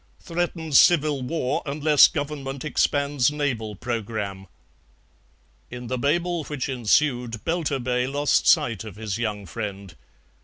Threatens civil war unless Government expands naval programme." In the babel which ensued Belturbet lost sight of his young friend.